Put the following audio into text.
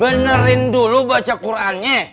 benerin dulu baca qurannya